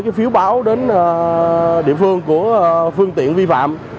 và gửi phiếu báo đến địa phương của phương tiện vi phạm